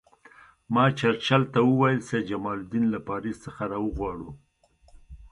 ما چرچل ته وویل سید جمال الدین له پاریس څخه را وغواړو.